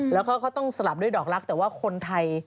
แล้วก็เขาต้องสลับด้วยดอกลักษณ์แต่ว่าคนไทย